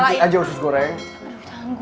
nanti aja khusus goreng